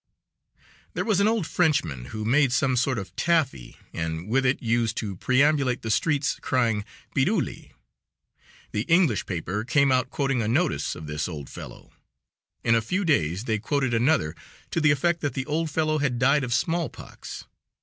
There was an old Frenchman who made some sort of taffy and with it used to perambulate the streets crying, "Piruli." The English paper came out quoting a notice of this old fellow. In a few days they quoted another to the effect that the old fellow had died of smallpox.